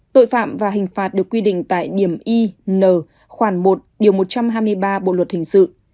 tội phạm và hình phạt được quy định tại điểm y n khoảng một điều một trăm hai mươi ba bộ luật hình sự